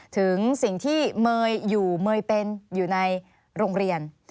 ถึงสิ่งที่เมย์อยู่เมย์เป็นอยู่ในโรงเรียน